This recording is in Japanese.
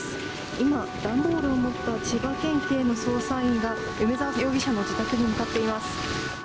今、段ボールを持った千葉県警の捜査員が、梅沢容疑者の自宅に向かっています。